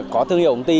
có thương hiệu công ty